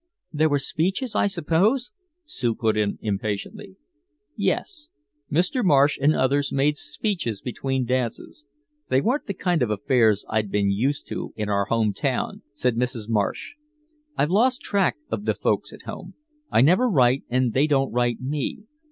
"There were speeches, I suppose?" Sue put in impatiently. "Yes Mr. Marsh and others made speeches between dances. They weren't the kind of affairs I'd been used to in our home town," said Mrs. Marsh. "I've lost track of the folks at home. I never write and they don't write me.